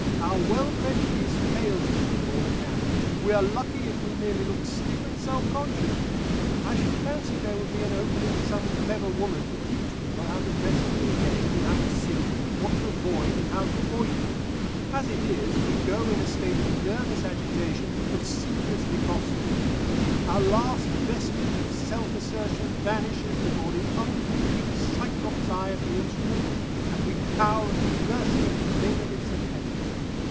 Our well bred ease fails us before the camera; we are lucky if we merely look stiff and self conscious. I should fancy there would be an opening for some clever woman to teach people how to dress for the occasion and how to sit, what to avoid and how to avoid it. As it is, we go in a state of nervous agitation, obsequiously costumed; our last vestige of self assertion vanishes before the unwinking Cyclops eye of the instrument, and we cower at the mercy of the thing and its attendant.